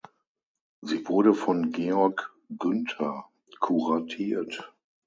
Sie wurde von Georg Günther kuratiert.